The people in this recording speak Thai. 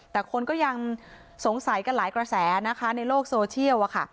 แต่คนก็ยังสงสัยกันหลายกระแสนะคะในโลกโซเชียลอะค่ะ